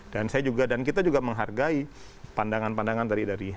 dan saya juga dan kita juga menghargai pandangan pandangan dari